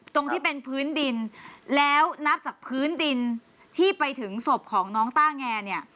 ตรงที่เป็นพื้นดินแล้วนับจากพื้นดินที่ไปถึงศพของน้องต้าแงเนี่ย